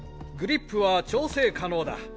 グリップは調整可能だ。